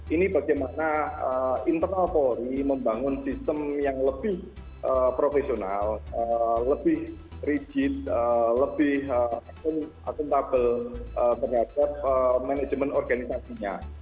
ini bagaimana internal polri membangun sistem yang lebih profesional lebih rigid lebih akuntabel terhadap manajemen organisasinya